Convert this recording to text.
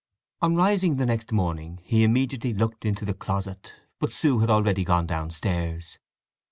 On rising the next morning he immediately looked into the closet, but Sue had already gone downstairs.